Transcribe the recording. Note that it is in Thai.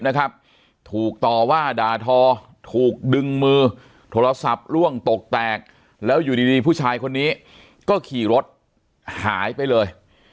นะครับถูกต่อว่าด่าทอถูกดึงมือโทรศัพท์ล่วงตกแตกแล้วอยู่ดีผู้ชายคนนี้ก็ขี่รถหายไปเลย